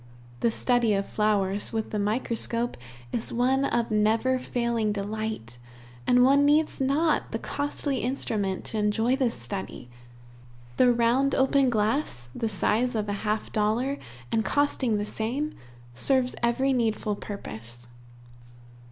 The study of flowers with the microscope is one of never failing delight, and one needs not the costly instrument to enjoy this study. The round open glass, the size of a half dollar, and costing the same, serves every needful purpose.